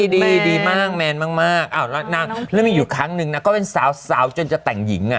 ดีดีมากแมนมากแล้วมีอยู่ครั้งนึงนะก็เป็นสาวจนจะแต่งหญิงอ่ะ